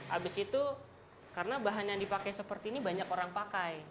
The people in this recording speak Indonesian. habis itu karena bahan yang dipakai seperti ini banyak orang pakai